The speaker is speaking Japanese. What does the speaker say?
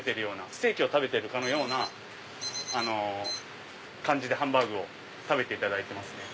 ステーキを食べてるかのような感じでハンバーグを食べていただいてますね。